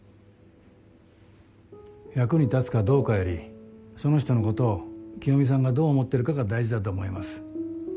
役に立つかどうかよりその人のことを清美さんがどう思ってるかが大事だと思います。